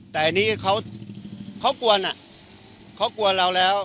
แต่อันนี้เขาเขากวนอ่ะเขากวนเราแล้ว